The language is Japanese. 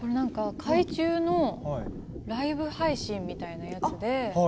海中のライブ配信みたいなやつで。